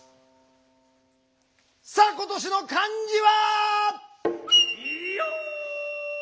さあ今年の漢字は。